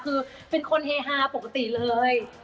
คือเป็นคนเฮฮาปกติเลย